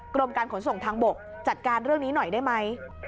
กรมการขนส่งทางบกจัดการเรื่องนี้หน่อยได้ไหม